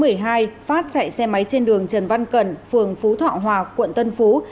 phát chạy xe máy trên đường trần văn cẩn phường phú thọ hòa quận tân phú